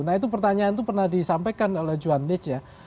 nah itu pertanyaan itu pernah disampaikan oleh johan nich ya